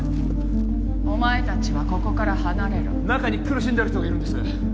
お前達はここから離れろ中に苦しんでる人がいるんです